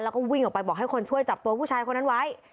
แล้วก็วิ่งออกไปบอกให้คนช่วยจับตัวผู้ชายคนนั้นไว้